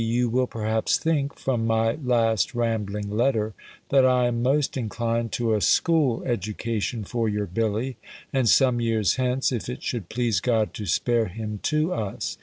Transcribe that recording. you will perhaps think, from my last rambling letter, that I am most inclined to a school education for your Billy, and some years hence, if it should please God to spare him to us.